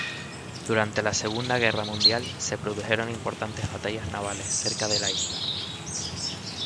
Durante la Segunda Guerra Mundial, se produjeron importantes batallas navales cerca de la isla.